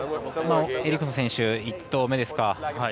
エリクソン選手、１投目ですか。